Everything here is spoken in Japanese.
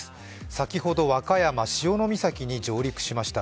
先ほど和歌山・潮岬に上陸しました。